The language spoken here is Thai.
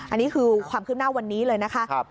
อันนี้คือความคืบหน้าวันนี้เลยนะคะ